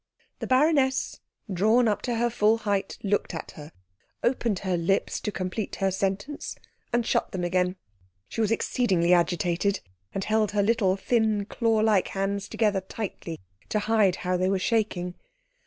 The baroness, drawn up to her full height, looked at her, opened her lips to complete her sentence, and shut them again. She was exceedingly agitated, and held her little thin, claw like hands tightly together to hide how they were shaking.